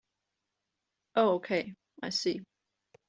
Oh okay, I see.